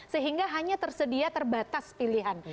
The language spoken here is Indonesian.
sehingga hanya tersedia terbatas pilihan